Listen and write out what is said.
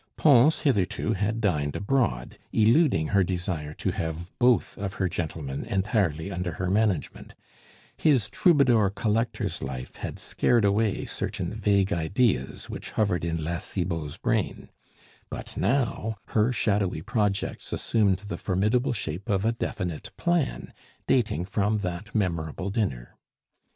Pons hitherto had dined abroad, eluding her desire to have both of "her gentlemen" entirely under her management; his "troubadour" collector's life had scared away certain vague ideas which hovered in La Cibot's brain; but now her shadowy projects assumed the formidable shape of a definite plan, dating from that memorable dinner.